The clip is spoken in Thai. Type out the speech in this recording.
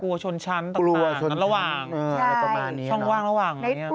กลัวชนชั้นต่างระหว่างใช่ช่องว่างระหว่างอย่างนี้นะ